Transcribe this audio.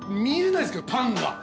見えないですけどパンが。